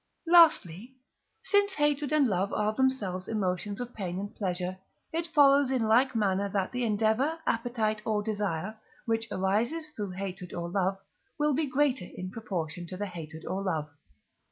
Lastly, since hatred and love are themselves emotions of pain and pleasure, it follows in like manner that the endeavour, appetite, or desire, which arises through hatred or love, will be greater in proportion to the hatred or love.